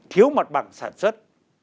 thiếu mặt bằng sản xuất